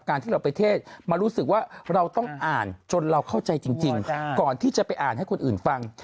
ที่เราไปเทศมารู้สึกว่าเราต้องอ่านจนเราเข้าใจจริงก่อนที่จะไปอ่านให้คนอื่นฟัง